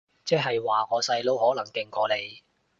即係話我細佬可能勁過你